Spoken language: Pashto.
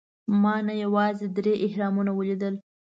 ما نه یوازې درې اهرامونه ولیدل.